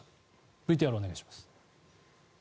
ＶＴＲ、お願いします。